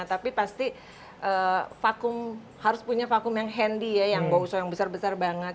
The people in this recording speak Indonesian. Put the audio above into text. tapi pasti vakum harus punya vakum yang handy ya yang gak usah yang besar besar banget